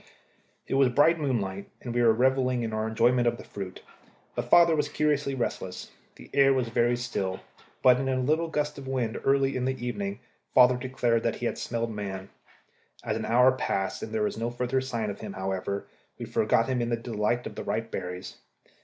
It was bright moonlight, and we were revelling in our enjoyment of the fruit, but father was curiously restless. The air was very still, but in a little gust of wind early in the evening father declared that he had smelled man. As an hour passed and there was no further sign of him, however, we forgot him in the delight of the ripe berries.